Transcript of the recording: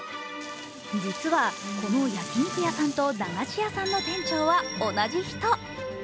実はこの焼き肉屋さんと駄菓子屋さんの店長は同じ人。